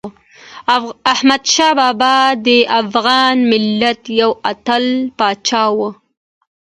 احمدشاه بابا د افغان ملت یو اتل پاچا و.